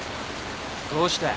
どうして？